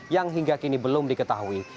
yang hingga kini belum diketahui